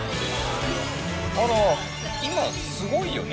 あら、今、すごいよね。